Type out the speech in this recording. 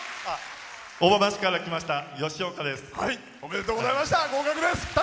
小浜市から来ましたよしおかです。